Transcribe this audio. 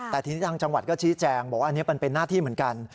แต่ทีนี้ทางจังหวัดก็ชี้แจงบอกว่าอันนี้มันเป็นหน้าที่เหมือนกัน